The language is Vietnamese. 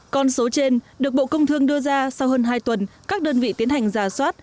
con số trên được bộ công thương đưa ra sau hơn hai tuần các đơn vị tiến hành giả soát